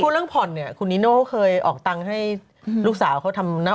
เรื่องผ่อนเนี่ยคุณนิโน่เขาเคยออกตังค์ให้ลูกสาวเขาทำหน้า